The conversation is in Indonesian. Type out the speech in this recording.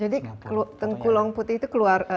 jadi tengku long putih itu keluar